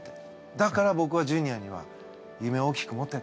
だからぼくはジュニアには夢を大きく持てって。